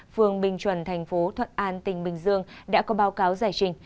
phường bình chuẩn thành phố thuận an tỉnh bình dương đã có báo cáo giải trình